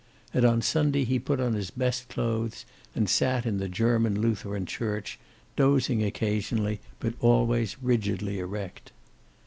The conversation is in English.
And on Sunday he put on his best clothes, and sat in the German Lutheran church, dozing occasionally, but always rigidly erect.